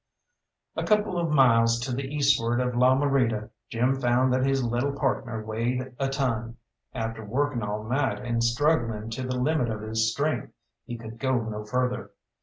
A couple of miles to the eastward of La Morita Jim found that his little partner weighed a ton. After working all night, and struggling to the limit of his strength, he could go no further.